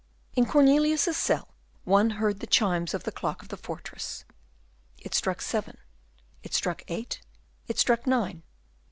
In Cornelius's cell one heard the chimes of the clock of the fortress. It struck seven, it struck eight, it struck nine.